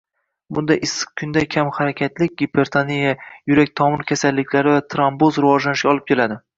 Bunday issiq kunda kamxarakatlik gipertoniya, yurak-tomir kasalliklari va tromboz rivojlanishiga olib keladi